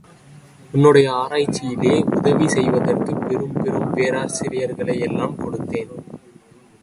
உன்னுடைய ஆராய்ச்சியிலே உதவி செய்வதற்குப் பெரும் பெரும் பேராசிரியர்களையெல்லாம் கொடுத்தேன்.